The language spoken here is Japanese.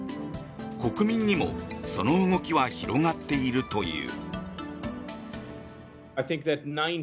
国民にもその動きは広がっているという。